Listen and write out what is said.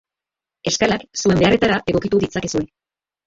Eskalak zuen beharretara egokitu ditzakezue.